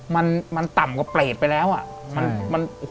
มันต่ำกว่าเปรตไปแล้วอ่ะ